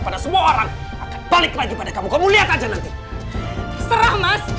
pada semua orang akan balik lagi pada kamu kamu lihat aja nanti serah mas